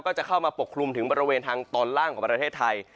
จะเข้ามาปกคลุมถึงบริเวณทางตอนล่างของประเทศไทย